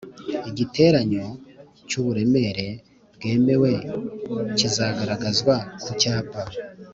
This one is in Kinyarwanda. Igiteranyo cy uburemere bwemewe kizagaragazwa ku cyapa